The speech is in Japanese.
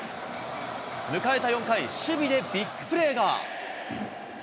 迎えた４回、守備でビッグプレーが。